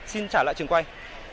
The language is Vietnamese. xin trả lại trường quay